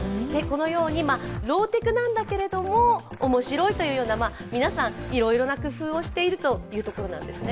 ローテクなんだけれども、面白いというような皆さん、いろいろな工夫をしているところなんですね。